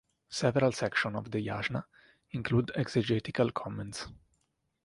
Several sections of the "Yasna" include exegetical comments.